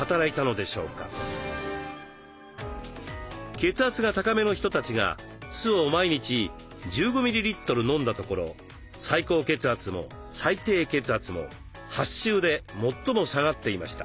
血圧が高めの人たちが酢を毎日１５ミリリットル飲んだところ最高血圧も最低血圧も８週で最も下がっていました。